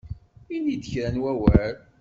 Ini-d kra n wawal!